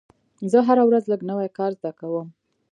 زه هره ورځ لږ نوی کار زده کوم.